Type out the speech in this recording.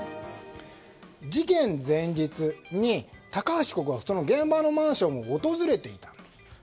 事件前日に高橋被告は現場のマンションを訪れていたんです。